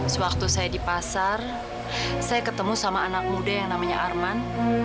sewaktu saya di pasar saya ketemu sama anak muda yang namanya arman